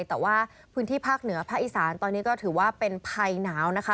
แต่ว่าพื้นที่ภาคเหนือภาคอีสานตอนนี้ก็ถือว่าเป็นภัยหนาวนะคะ